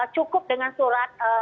cukup dengan surat